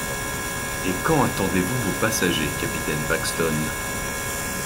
Et quand attendez-vous vos passagers, capitaine Paxton ?…